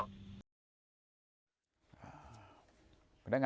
มันก็เกิดไปเร็ว